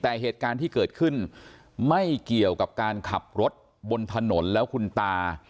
แต่เหตุการณ์ที่เกิดขึ้นไม่เกี่ยวกับการขับรถบนถนนแล้วคุณตา